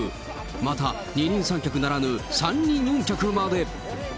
また二人三脚ならぬ、三人四脚まで。